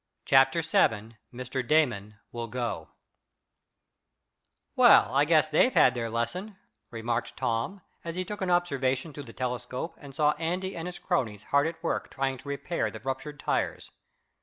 Chapter Seven Mr. Damon Will Go "Well, I guess they've had their lesson," remarked Tom, as he took an observation through the telescope and saw Andy and his cronies hard at work trying to repair the ruptured tires.